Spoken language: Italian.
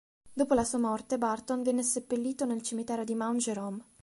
Dopo la sua morte Burton venne seppellito nel cimitero di Mount Jerome.